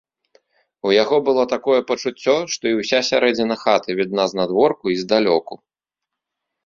У яго было такое пачуццё, што і ўся сярэдзіна хаты відна знадворку і здалёку.